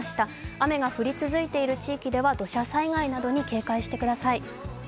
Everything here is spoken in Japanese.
雨が降り続いている地域では土砂災害などに警戒してください。